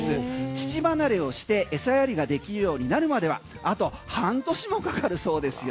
乳離れをして餌やりができるようになるまではあと半年もかかるそうですよ。